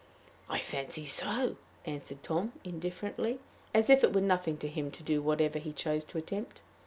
"I fancy so," answered Tom, indifferently, as if it were nothing to him to do whatever he chose to attempt.